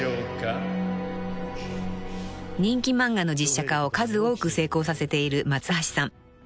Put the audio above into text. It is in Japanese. ［人気漫画の実写化を数多く成功させている松橋さん］